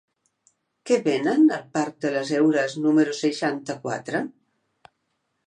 Què venen al parc de les Heures número seixanta-quatre?